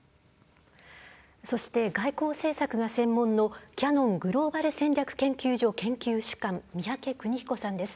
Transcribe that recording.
そして外交政策が専門のキヤノングローバル戦略研究所研究主幹、宮家邦彦さんです。